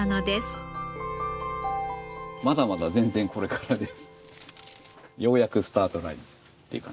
まだまだ全然これからです。